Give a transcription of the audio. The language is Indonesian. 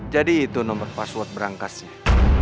jadi itu nomor password berangkasnya